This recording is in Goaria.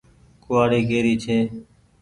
ڪوُوآڙي ڪيري ڇي ۔